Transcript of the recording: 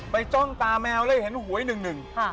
ไปจ้องตาแมวแล้วเห็นหวยหนึ่ง